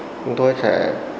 chúng tôi sẽ